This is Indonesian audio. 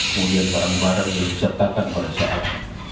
kemudian barang barang yang disertakan pada saat